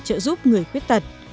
trợ giúp người khuyết tật